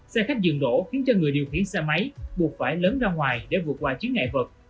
xe khách dường đổ khiến cho người điều khiển xe máy buộc phải lớn ra ngoài để vượt qua chiến ngại vật